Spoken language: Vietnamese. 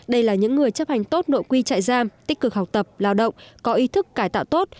đây là những người chấp hành tốt nội quy trại giam tích cực học tập lao động có ý thức cải tạo tốt